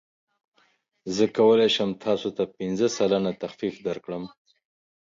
زه کولی شم تاسو ته پنځه سلنه تخفیف درکړم.